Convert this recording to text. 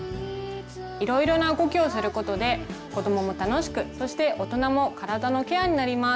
いろいろな動きをすることで子どもも楽しくそして大人も体のケアになります。